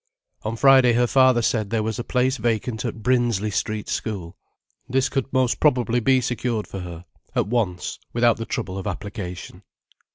On Friday her father said there was a place vacant in Brinsley Street school. This could most probably be secured for her, at once, without the trouble of application.